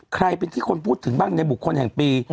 ใครเป็นที่คนพูดถึงบ้างในบุคคลแห่งปี